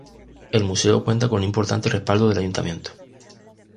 El museo cuenta con un importante respaldo del Ayuntamiento.